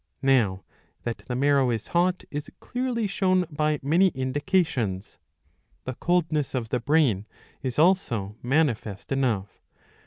Now that the marrow is hot is clearly shown by many indications. The coldness of the brain is also manifest enough.